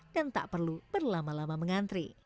tak perlu berlama lama mengantri